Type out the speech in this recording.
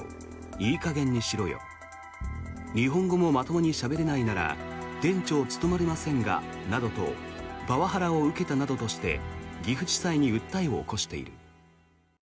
いい加減にしろよ日本語もまともにしゃべれないなら店長務まりませんがなどとパワハラを受けたなどとして岐阜地裁に訴えを起こしている。